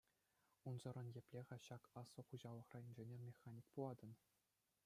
Унсӑрӑн епле-ха ҫак аслӑ хуҫалӑхра инженер-механик пулатӑн?